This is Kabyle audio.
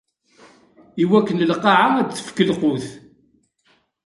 Iwakken lqaɛa ad d-tefk lqut.